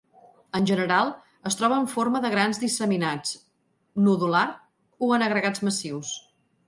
En general, es troba en forma de grans disseminats, nodular o en agregats massius.